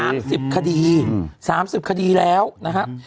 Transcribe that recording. ๑๐คดี๓๐คดีแล้วนะครับ